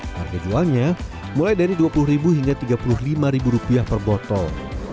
harga jualnya mulai dari dua puluh hingga tiga puluh lima rupiah per botol